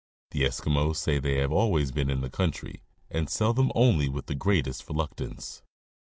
The Eskimos say they have always been in the country, and sell them only with the greatest reluctance.